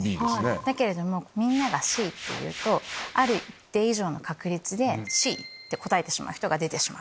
だけれどもみんながＣって言うとある一定以上の確率でＣって答えてしまう人が出てしまう。